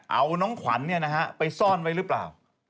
เอาน้องขวัญไปซ่อนไว้หรือเปล่า